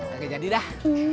oke jadi dah